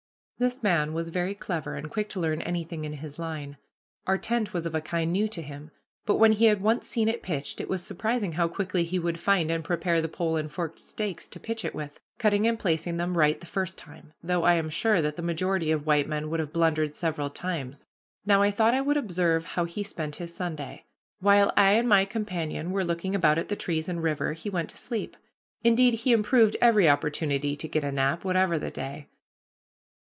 This man was very clever and quick to learn anything in his line. Our tent was of a kind new to him, but when he had once seen it pitched it was surprising how quickly he would find and prepare the pole and forked stakes to pitch it with, cutting and placing them right the first time, though I am sure that the majority of white men would have blundered several times. Now I thought I would observe how he spent his Sunday. While I and my companion were looking about at the trees and river he went to sleep. Indeed, he improved every opportunity to get a nap, whatever the day.